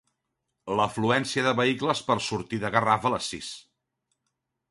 L'afluència de vehicles per sortir de Garraf a les sis.